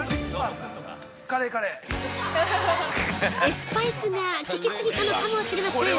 ◆スパイスがきき過ぎたのかもしれません。